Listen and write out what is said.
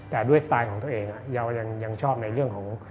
แต่ด้วยสไตล์ของตัวเองเรายังชอบในเรื่องของ